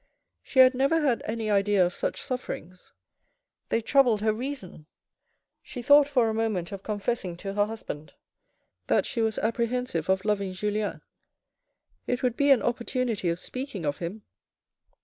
She had never had any idea of such sufferings; they troubled her reason. She thought for a moment of confessing to her husband that she was appre hensive of loving Julien. It would be an opportunity of speaking of him.